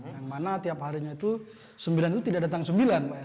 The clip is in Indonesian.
yang mana tiap harinya itu sembilan itu tidak datang sembilan